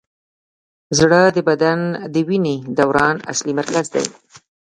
زړه د بدن د وینې دوران اصلي مرکز دی.